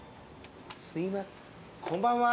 すいませんこんばんは。